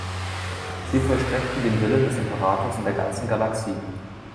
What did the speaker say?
Sie vollstreckten den Willen des Imperators in der ganzen Galaxie.